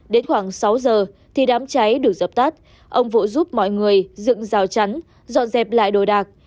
đến khoảng sáu giờ thì đám cháy được dập tắt ông vũ giúp mọi người dựng rào chắn dọn dẹp lại đồ đạc